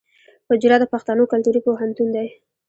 حجره د پښتنو کلتوري پوهنتون دی.